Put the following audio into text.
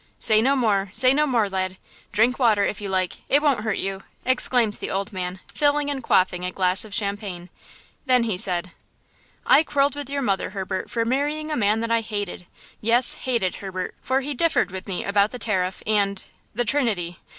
"Say no more–say no more, lad. Drink water, if you like. It won't hurt you!" exclaimed the old man, filling and quaffing a glass of champagne. Then he said: "I quarreled with your mother, Herbert, for marrying a man that I hated–yes, hated, Herbert, for he differed with me about the tariff and–the Trinity!